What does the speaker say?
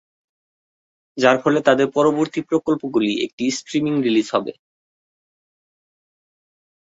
যার ফলে তাদের পরবর্তী প্রকল্পগুলি একটি স্ট্রিমিং রিলিজ হবে।